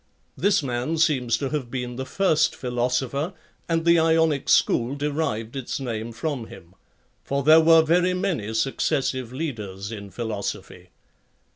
[This man seems to have been the first philo sopher, and the Ionic school derived its name from him; for there were very many successive leaders in philosophy.